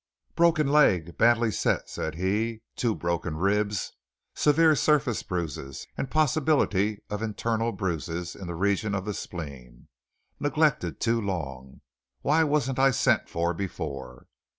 "Broken leg, badly set," said he; "two broken ribs; severe surface bruises; and possibility of internal bruises in the region of the spleen. Neglected too long. Why wasn't I sent for before?"